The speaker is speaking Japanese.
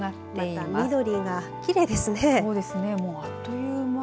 また緑がきれいですね。